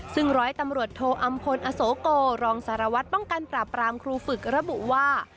ซึ่งร้อยตำรวจโทอำพลอโสโกรองสารวัตรป้องกันปราบรามครูฝึกระบุว่า